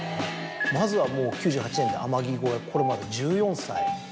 まずは９８年の『天城越え』これまだ１４歳。